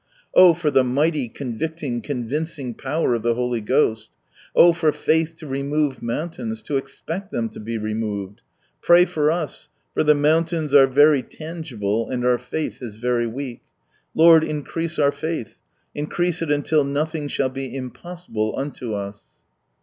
Oh ! for the mighty, convicting, convincing power of the Holy Ghost ! Oh ! for faith to remove mountains, to ex^ed them to be removed! Pray for us, for the mountains are very tanglbie, and our faith is very weak. Lord, increase our faith, increase it until " nothing shall be impossible " unto us